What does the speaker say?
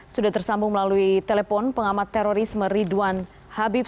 sudah tersambung melalui telepon pengamat terorisme ridwan habib